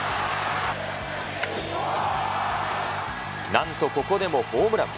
なんとここでもホームラン。